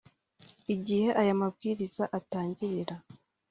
Igihe aya mabwiriza atangira